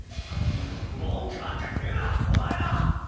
文句ばっか言うなお前ら！